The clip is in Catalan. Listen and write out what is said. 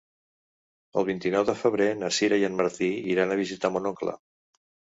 El vint-i-nou de febrer na Sira i en Martí iran a visitar mon oncle.